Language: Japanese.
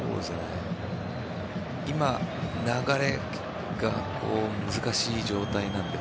今、流れが難しい状態なので。